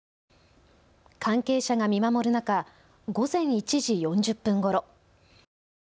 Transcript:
関係者が見守る中、午前１時４０分ごろ。